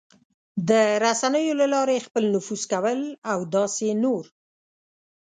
د رسنیو له لارې خپل نفوذ کول او داسې نور...